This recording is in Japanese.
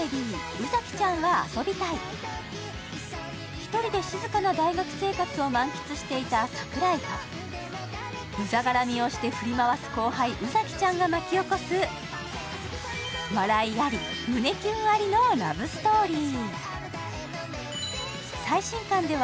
１人で静かな大学生活を満喫していた桜井とうざ絡みをして振り回す後輩、宇崎ちゃんが巻き起こす笑いあり、胸キュンありのラブストーリー。